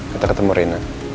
kita ketemu rena